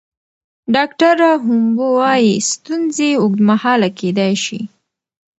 ډاکټره هومبو وايي ستونزې اوږدمهاله کیدی شي.